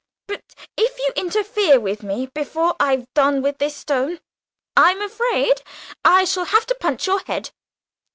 But if you interfere with me before I've done with this stone, I'm afraid I shall have to punch your head."